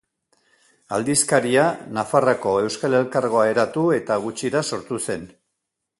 Aldizkaria Nafarroako Euskal Elkargoa eratu eta gutxira sortu zen.